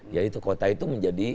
ya itu kota itu menjadi